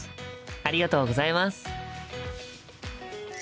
ありがとうございます。